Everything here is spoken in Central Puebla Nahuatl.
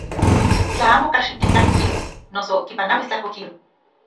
Tla amo kajxitis tlajko kilo noso kipanauis tlajko kilo.